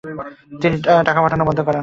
তিনি টাকা পাঠানো বন্ধ করেন।